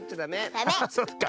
ああそっか。